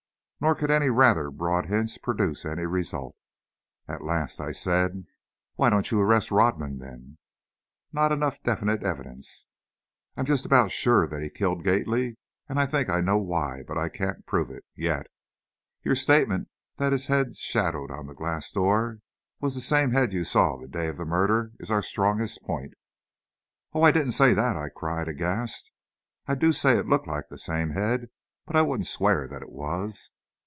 Nor could any rather broad hints produce any result. At last I said: "Why don't you arrest Rodman, then?" "Not enough definite evidence. I'm just about sure that he killed Gately, and I think I know why, but I can't prove it, yet. Your statement that his head shadowed on that glass door was the same head you saw the day of the murder, is our strongest point " "Oh, I didn't say that!" I cried, aghast; "I do say it looked like the same head, but I wouldn't swear that it was!"